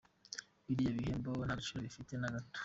Biriya bihembo ntagaciro bifite na gato.